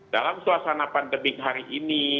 dalam suasana pandemik hari ini